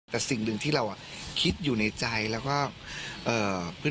แต่สิ่งหนึ่งที่เราคิดอยู่ในใจแล้วก็เอ่อ